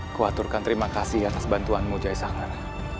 aku aturkan terima kasih atas bantuanmu jaya sanggara